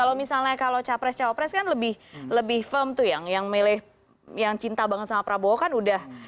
kalau misalnya kalau capres capres kan lebih firm tuh yang milih yang cinta banget sama prabowo kan udah